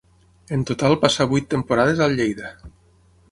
En total passà vuit temporades al Lleida.